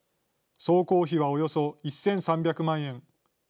総工費はおよそ１３００万円。